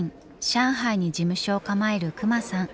上海に事務所を構える隈さん。